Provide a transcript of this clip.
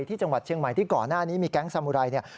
ที่จังหวัดเชียงใหม่ที่ก่อนหน้านี้มีแก๊งสามูไรเนี่ย